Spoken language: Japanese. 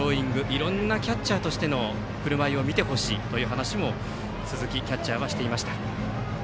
いろんなキャッチャーとしての振る舞いを見てほしいという話も鈴木キャッチャーはしていました。